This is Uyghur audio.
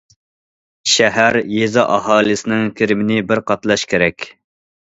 شەھەر، يېزا ئاھالىسىنىڭ كىرىمىنى بىر قاتلاش كېرەك.